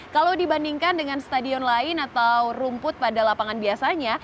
kalau dibandingkan dengan stadion lain atau rumput pada lapangan biasanya